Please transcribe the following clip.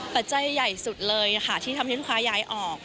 ปัจจัยใหญ่สุดเลยค่ะที่ทำให้ลูกค้าย้ายออก